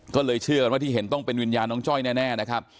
ก็เลยเชื่อกันว่าที่เห็นต้องเป็นวิญญาณน้องจ้อยแน่นะครับ